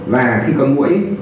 và khi có mũi